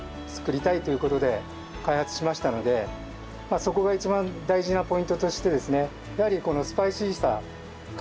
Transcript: そこが一番大事なポイントとしてですね